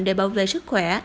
để bảo vệ sức khỏe